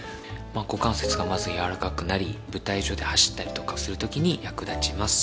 股関節がまず柔らかくなり舞台上で走ったりとかをするときに役立ちます。